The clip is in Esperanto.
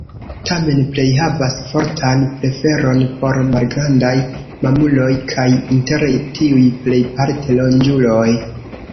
Tamen plej havas fortan preferon por malgrandaj mamuloj kaj inter tiuj plejparte ronĝuloj.